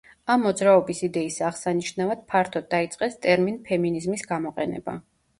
ამ მოძრაობის იდეის აღსანიშნავად ფართოდ დაიწყეს ტერმინ „ფემინიზმის“ გამოყენება.